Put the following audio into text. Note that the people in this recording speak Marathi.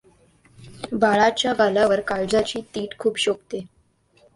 बाळाच्या गालावर काजळाची तीट खूप शोभते.